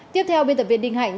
tiếp theo biên tập viên đình hạnh